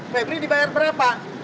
febri dibayar berapa